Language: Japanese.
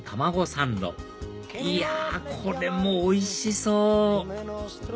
サンドいやこれもおいしそう！